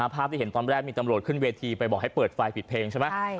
ภาพที่เห็นตอนแรกมีตำรวจขึ้นเวทีไปบอกให้เปิดไฟปิดเพลงใช่ไหม